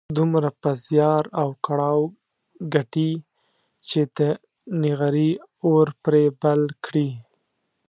دومره په زيار او کړاو ګټي چې د نغري اور پرې بل کړي.